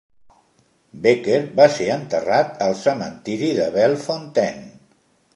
Becker va ser enterrat al cementiri de Bellefontaine.